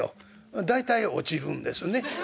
大体落ちるんですね。